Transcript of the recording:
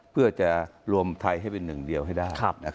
เพื่อจะรวมไทยให้เป็นหนึ่งเดียวให้ได้